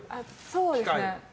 そうですね。